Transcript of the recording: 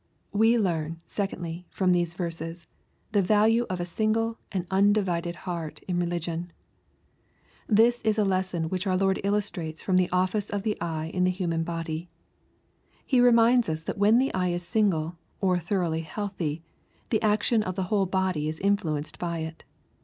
39 We learn, secondly, from these vei ses, the value of a single and undivided heart in religion. This is a lesson which our Lord illustrates from the office of the eye in the human body. He reminds us that when the eye is " single/' or thoroughly healthy, the action of the whole body is influenced by it.